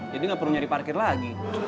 jadi gak perlu nyari parkir lagi